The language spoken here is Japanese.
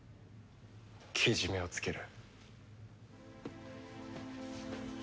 けじめはつける。